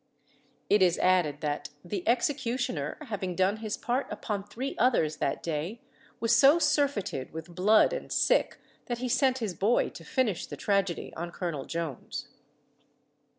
It is added that "the executioner, having done his part upon three others that day, was so surfeited with blood and sick, that he sent his boy to finish the tragedy on Colonel Jones."